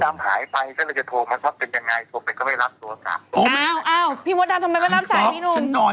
ไม่ไสสโมกป๊าย